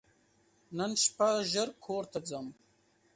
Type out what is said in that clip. نن شپه ژر کور ته ځم !